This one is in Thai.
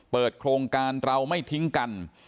เปิดโครงการไม่ทิ้งกัน